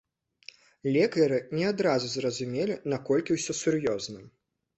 Лекары не адразу зразумелі, наколькі ўсё сур'ёзна.